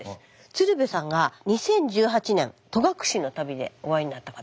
鶴瓶さんが２０１８年戸隠の旅でお会いになった方。